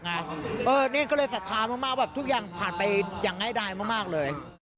นี่ก็เลยศรัทธามากแบบทุกอย่างผ่านไปอย่างง่ายดายมากเลย